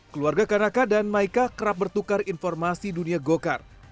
keluarga kanaka dan maika kerap bertukar informasi dunia go kart